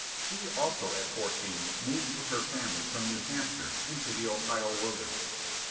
She also at fourteen moved with her family from New Hampshire, into the Ohio wilderness.